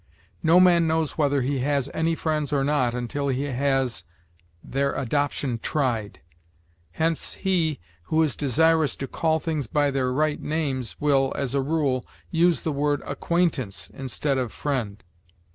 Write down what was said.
No man knows whether he has any friends or not until he has "their adoption tried"; hence, he who is desirous to call things by their right names will, as a rule, use the word acquaintance instead of friend.